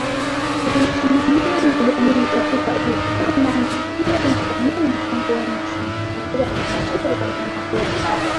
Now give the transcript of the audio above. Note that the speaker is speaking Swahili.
yanasimamiwa na jamii katika uhifadhi nanyi pia nathamini mchango wenu sana katika kunusuru wanyamapori